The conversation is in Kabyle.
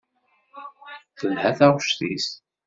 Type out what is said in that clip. Telha taɣect-is.